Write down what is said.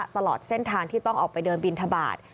ตลอดเส้นทางที่ต้องออกไปเดินบินทบาท